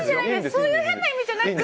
そういう変な意味じゃなく。